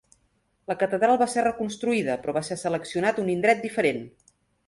La catedral va ser reconstruïda, però va ser seleccionat un indret diferent.